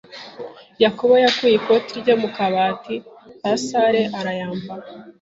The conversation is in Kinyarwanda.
Yakobo yakuye ikoti rye mu kabati ka salle arayambara.